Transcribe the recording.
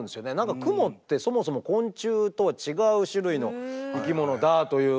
クモってそもそも昆虫とは違う種類の生き物だということ。